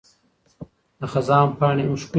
د خزان پاڼې هم ښکلي دي.